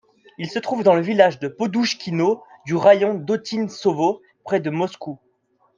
Il se trouve dans le village de Podouchkino du raïon d’Odintsovo près de Moscou.